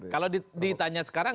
kalau ditanya sekarang